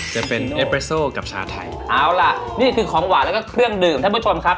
จะเป็นเอเปโซกับชาไทยเอาล่ะนี่คือของหวานแล้วก็เครื่องดื่มท่านผู้ชมครับ